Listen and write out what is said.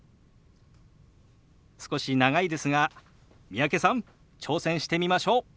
少し長いですが三宅さん挑戦してみましょう。